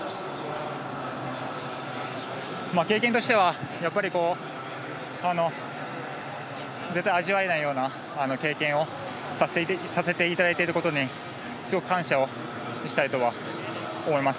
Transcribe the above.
経験としては絶対、味わえないような経験をさせていただいていることにすごく感謝をしたいと思います。